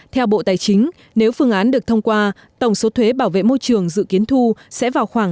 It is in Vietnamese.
theo bộ tài chính nếu phương án được thông qua tổng số thuế bảo vệ môi trường dự kiến thu sẽ vào khoảng năm mươi sáu trăm một mươi sáu